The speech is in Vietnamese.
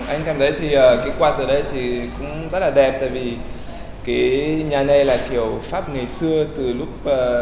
anh cảm thấy quạt ở đây cũng rất đẹp tại vì nhà này là kiểu pháp ngày xưa từ lúc một nghìn chín trăm một mươi